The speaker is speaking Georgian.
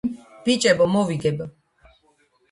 ბიჭებო მოგიგებ